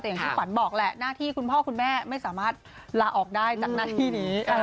แต่อย่างที่ขวัญบอกแหละหน้าที่คุณพ่อคุณแม่ไม่สามารถลาออกได้จากหน้าที่นี้